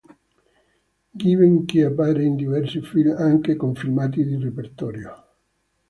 Givenchy appare in diversi film anche con filmati di repertorio.